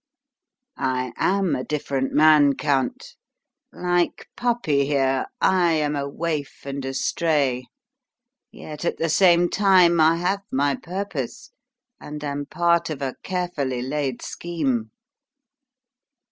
"I am a different man, Count. Like puppy, here, I am a waif and a stray; yet, at the same time, I have my purpose and am part of a carefully laid scheme."